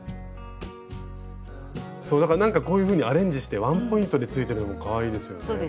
そうだからこういうふうにアレンジしてワンポイントについててもかわいいですよね。ですね。